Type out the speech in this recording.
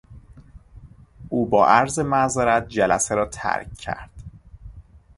او با عرض معذرت جلسه را ترک کرد.